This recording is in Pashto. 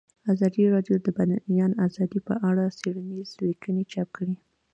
ازادي راډیو د د بیان آزادي په اړه څېړنیزې لیکنې چاپ کړي.